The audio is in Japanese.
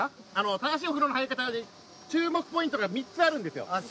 正しいお風呂の入り方はね、注目ポイントが３つあるんですよ。